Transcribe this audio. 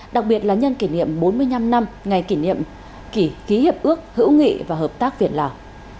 đặc biệt là nhân kỷ niệm bốn mươi năm năm ngày kỷ niệm ký hiệp ước hữu nghị và hợp tác việt lào